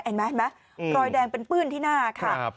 เห็นไหมรอยแดงเป็นปื้นที่หน้าค่ะ